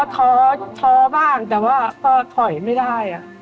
ท้อท้อบ้างแต่ว่าก็ถอยไม่ได้